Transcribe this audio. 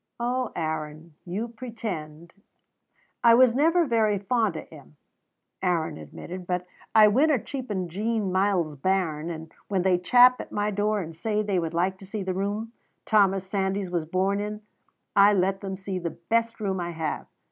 "Oh, Aaron, you pretend " "I was never very fond o' him," Aaron admitted, "but I winna cheapen Jean Myles's bairn, and when they chap at my door and say they would like to see the room Thomas Sandys was born in, I let them see the best room I have.